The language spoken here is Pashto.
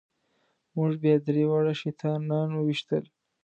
موږ بیا درې واړه شیطانان وويشتل.